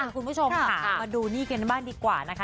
คุณผู้ชมค่ะมาดูนี่กันบ้างดีกว่านะคะ